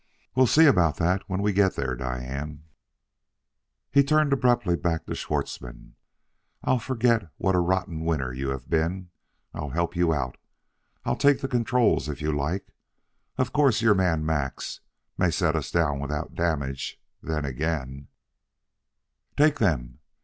"We'll see about that when we get there, Diane." He turned abruptly back to Schwartzmann, "I'll forget what a rotten winner you have been; I'll help you out: I'll take the controls if you like. Of course, your man, Max, may set us down without damage; then again " "Take them!"